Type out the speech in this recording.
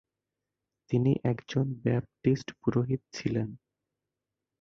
তিনি একজন ব্যাপটিস্ট পুরোহিত ছিলেন।